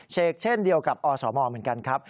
เชกเช่นเดียวกับอสมเหมือนกันครับ